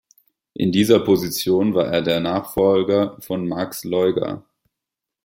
In dieser Position war er der Nachfolger von Max Laeuger.